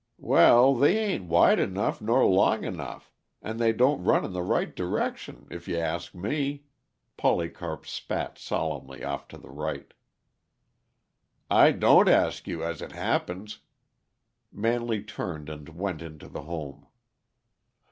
"Well, they ain't wide enough, nor long enough, and they don't run in the right direction if you ask me." Polycarp spat solemnly off to the right. "I don't ask you, as it happens." Manley turned and went into the home.